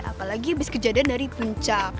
apalagi abis kejadian dari puncak